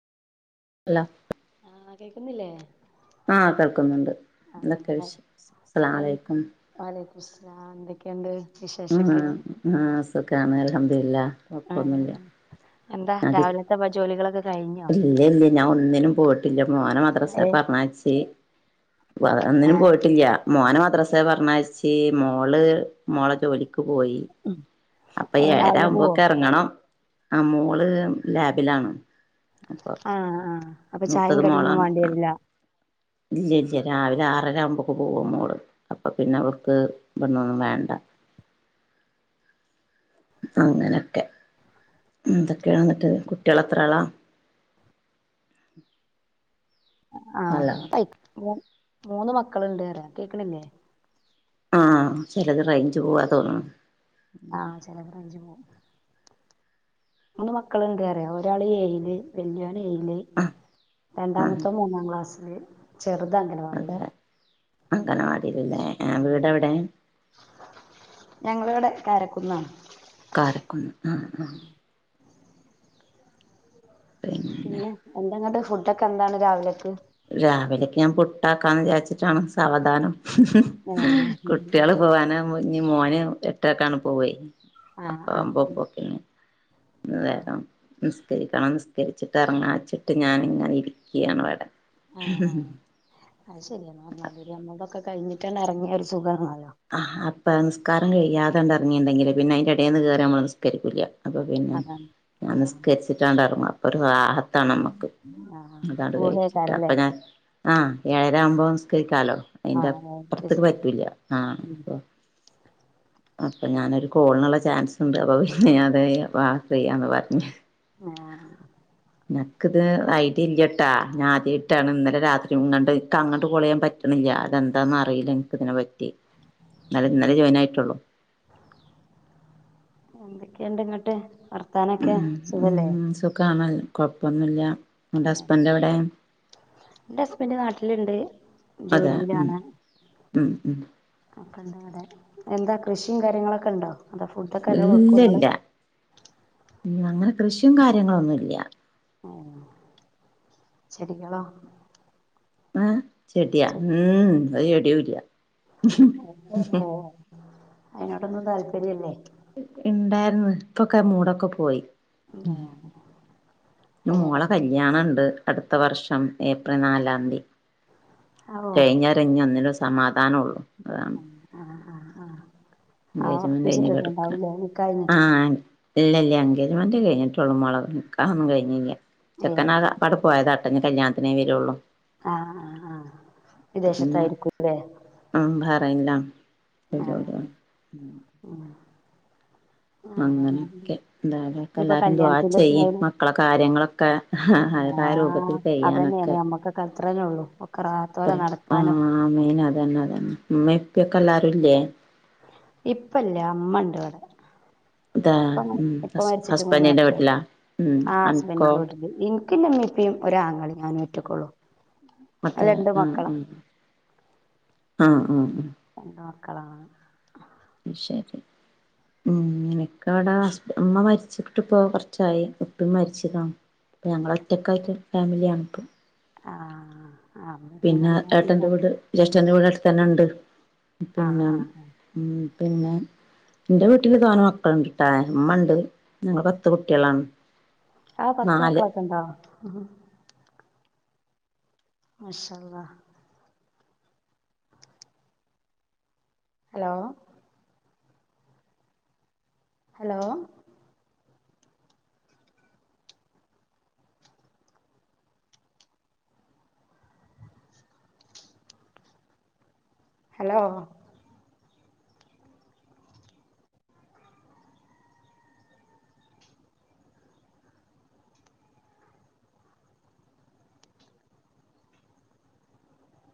അല്ല ആഹ് കേൾക്കുന്നില്ലേ ആഹ കേൾക്കുന്നുണ്ട് എന്തൊക്കെ വിശേഷം അസ്സലാമു അലൈക്കും മുസ്സലാം എന്തൊക്കെയുണ്ട് ആ വിശേഷൊക്കെ ആ സുഗാണ് അൽഹംദുലില്ലാഹ് കുഴപ്പം ആഹ് ഒന്നുല്ല എന്താ അത് രാവിലത്തെ ജോലികളൊക്കെ കഴിഞ്ഞോ ഇല്ല ഇല്ല ഞാൻ ഒന്നിനും പോയിട്ടില്ല മോനെ മദ്രസയിൽ ഏഹ് പറഞ്ഞായിച്ചു ഒന്നിനും ആഹ് പോയിട്ടില്ല മോനെ മദ്രാസ പറഞ്ഞാഴച്ച് മോള് മോളെ ജോലിക്ക് പോയി അപ്പൊ ഏഹ് രാവിലെ പോവോ ഏഴരാകുമ്പോയേക്കും ഇറങ്ങണം ആ മോള് ലാബിലാണ്. അപ്പൊ ആഹ് ആഹ് അപ്പൊ ചായയും മൂത്തത് കടിയും ഒന്നും മോളാണ് വെണ്ടിരില്ല. ഇല്ല ഇല്ല രാവിലെ ആറര ആവുമ്പോക്ക് പോകും മോൾ. അപ്പൊ പിന്നെ അവർക്ക് ഇവിടുന്ന് ഒന്നും വേണ്ട. അങ്ങനൊക്കെ എന്തൊക്കെയാണ് എന്നിട്ട് കുട്ടികൾ എത്ര ആളാ? അല്ല ആഹ് മൂ മൂന്ന് മക്കളുണ്ട് പറയാ കേക്കണില്ലേ? ആഹ് ചിലത് റേഞ്ച് പോവാ തോന്നുണു. ആഹ് ചിലത് റേഞ്ച് പോവും. മൂന്ന് മക്കളുണ്ട് പറയാ ഒരാള് ഏയില് വല്യോൻ യില് ആഹ് ആഹ് രണ്ടാമത്തോൻ മൂന്നാം ക്ലാസ്സില് ചെറുത് അങ്കണവാടിയിൽ. അതെ അംഗനവാടിയിലല്ലേ. ആ വീടെവിടെ? ഞങ്ങളിവിടെ കാരക്കുന്നാണ്. കാരക്കുന്ന് ആ. പിന്നെ എന്തെങ്ങട്ട് ഫുടൊക്ക എന്താണ് രാവിലക്ക്? രാവിലക്ക് ഞാൻ പുട്ടാക്കാന്ന് വിചാരിച്ചിട്ടാണ് സാവധാനം. ഏഹ് കുട്ടികള് പോവാനാകുമ്പോ ഇനി മോന് എട്ടരക്കാണ് പോവേ. ആഹ് അപ്പമ്പ ആഹ് [unintelligible] ആഹ് നേരം നിസ്കരിക്കണം നിസ്കരിച്ചിട്ട് ഇറങ്ങാച്ചിട്ട് ഞാനിങ്ങനെ ഇരിക്യാണ് ഇവിടെ. ആഹ് ആ അത് ശരിയ പറഞ്ഞാൽ നമ്മളടൊക്കെ കഴിഞ്ഞിട്ട് ഇറങ്ങിയ ഒരു സുഖണ്. ആ അപ്പ നിസ്കാരം കഴിയതങ്ങട് ഇറങ്ങിണ്ടെങ്കി പിന്നെ അതിന്റെ എടെന്ന് കയറി നമ്മള് നിസ്കരിക്കില്ല. അപ്പൊ പിന്നെ അതാണ് ഞാൻ ആഹ് നിസ്കരിച്ചിട്ട അങ്ങട് ഇറങ്ങും. അപ്പൊ ഒരു റാഹ [inaudible] അതാണ് കഴിച്ചിട്ട് അപ്പൊ ഊഹേക്കാരല്ലേ ഞാൻ ആഹ് ഏഴരാ ആവുമ്പോ നിസ്കരിക്കലോ അതിന്റെ ആഹ് അപ്പുറത്തേക്ക് പറ്റില്ല. [inaudible] അപ്പൊ ഞാനൊരു കോളിനുള്ള ചാൻസ് ഉണ്ട് അപ്പൊ പിന്നെ ഞാൻ ആ ചെയ്യന്നു പറഞ്. ആഹ് അനക്കിത് ഐഡിയ ഇല്ല്യട്ടാ. ഞാ ആദ്യയിട്ടാണ് ഇന്നലെ രാത്രി ങ്ങണ്ട് നിക്ക് അങ്ങട്ട് കാൾ ചെയാൻ പറ്റണില്ല. അതെന്താന്നറിയില്ല എനിക്ക ഇതിനെറ്റ നല്ല ഇന്നലെ ജോയിൻ ആയിട്ടുള്ളു. എന്തൊക്കെയുണ്ട് ഇങ്ങോട്ട്? വർത്താനൊക്കെ ഉം സുഖല്ലേ. ഉം സുഖാണ് കൊഴപ്പൊന്നുല്ല. അന്റെ ഹസ്ബൻഡ് എവിടെ? എന്റെ ഹസ്ബൻഡ് നാട്ടിലുണ്ട് അതെ ഉം ജോലിയിലാണ്. ഉം ഉം [inaudible] എന്താ കൃഷിയും കാര്യങ്ങളൊക്കെ ഉണ്ടോ? അതോ ഫുഡൊക്കെ നല്ലോം ഇല്ല വെക്കോ ഇങ്ങള് ഇല്ല അങ്ങനെ കൃഷിയും കാര്യങ്ങളൊന്നുല്ല്യാ. ആ ശരിയളോ. ആഹ് ചെടിയാ ഉം ഒരു ചെടിയൂല്ല. [unintelligible] അയിനോടൊന്നും താല്പര്യല്ലേ? ണ്ടാര്ന്ന് ഇപ്പൊക്കെ മൂടൊക്കെ പോയി. ഏഹ് [unintelligible] മോള കൈയടക്കി കല്യാണണ്ട്. അടുത്ത വർഷം ഏപ്രിൽ നാലാംതി ഓ കഴിഞ്ഞ [unintelligible] സമാധാനം ഉള്ളൂ ഉം ആ ആ ആ ആ എൻഗേജ്മെൻ്റ് കഴിഞ്ഞ് കിടക്കാ, ഉറപ്പിച്ചിട്ടിട്ടുണ്ടാവൂലേ നിക്കാഹ് കഴിഞ്ഞിട്ടുണ്ടോ ആൻ ഇല്ലല്യ എൻഗേജ്മെൻ്റേ കഴിഞ്ഞിട്ടുള്ളു, മോള നിക്കാഹൊന്നും കഴിഞ്ഞില്ല. ഏ ചെക്കൻ [unintelligible] പോയതാ [unintelligible] കല്യാണത്തിനേ വരുള്ളൂ. ആ ആ ആ അപ്പൊ പിന്നെ വിദേശത്തായിരിക്കൂല്ലേ? [unintelligible] ഉം [inaudible] ആ പറഞ്ഞാതിരി അങ്ങനെയൊക്കെ എന്തായാലും ഇപ്പൊ ഇനിയിപ്പോ എല്ലാരും ദുവാ കല്യാണത്തിന്റെ ചെയ്യ് സമയം മക്കളെ കാര്യങ്ങളൊക്കെ ഹ് ഹ് [unintelligible] ആഹ് അതന്നെയാണ് രൂപത്തില് നമ്മക്കൊക്കെ അത്രന്നെ ഉള്ളൂ ഒക്കെ റാഹത്തോലെ [unintelligible] ആ നടക്കാനും മെയ്ന് അത [unintelligible] എല്ലാരുല്ലേ? ഇപ്പല്യ, അമ്മണ്ട് ഇവിടെ. ഇതാ ഇപ്പ മരി ഉം ഇപ്പ ഹസ് മരിച്ചിട്ട് മൂന്ന് ഹസ്ബൻഡിന്റെ വർഷായി. വീട്ടിലാ ഉം ആ അൻക്കോ ഹസ്ബൻഡിന്റെ വീട്ടില്. [inaudible] പിന്നെ ഉമ്മയും ഉപ്പയും ഒരാങ്ങളേം ഞാനും ഒറ്റക്കൊള്ളൂ. [unintelligible] ആ ഉം ആ ഉം ഉ [unintelligible] മക്കളാ ശരി ഉം എനിക്കവിടെ [unintelligible] ഉമ്മ മരിച്ചിട്ടിപ്പോ കൊറച്ചായി. ഉപ്പി മരിച്ച [unintelligible] ഞങ്ങൾ ഒറ്റക്കായിട്ട് ഫാമിലിയാണ് ആ ആ ഇമ്മീം ഇപ്പീം പിന്നെ കഴിഞ്ഞാ ഏട്ടൻ്റെ പിന്നെ വീട്, ജേഷ്ഠൻ്റെ വീട് അടുത്തന്നെ ഉണ്ട്. ആ പിന്നെ ആ ഉം പിന്നെ എന്റെ വീട്ടില് തോന മക്കളുണ്ട്ട്ടാ, മ്മണ്ട്, ഞങ്ങള് പത്ത് കുട്ടികളാണ്. ആ പത്ത് നാല് മക്കളൊക്കെ ഉണ്ടോ? ഹുംഹും മാഷള്ളാ ഹലോ ഹലോ ഹലോ